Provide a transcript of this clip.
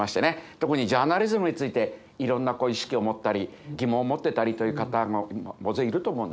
特にジャーナリズムについていろんな意識を持ったり疑問を持ってたりという方も大勢いると思うんですね。